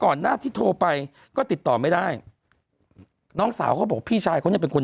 หน้าที่โทรไปก็ติดต่อไม่ได้น้องสาวเขาบอกพี่ชายเขาเนี่ยเป็นคน